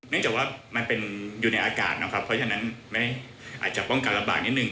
จากว่ามันเป็นอยู่ในอากาศนะครับเพราะฉะนั้นอาจจะป้องกันระบาดนิดนึ